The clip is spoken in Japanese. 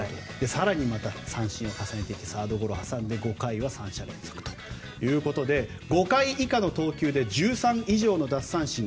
更にまた三振を重ねてサードゴロ挟んで５回は３者連続ということで５回以下の投球で１３以上の奪三振。